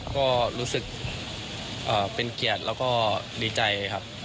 ก็รู้สึกเป็นเกียรติแล้วก็ดีใจครับ